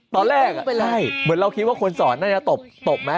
ตอนแรกใช่เหมือนเราคิดว่าคนสอนน่ะตบตบมั้ย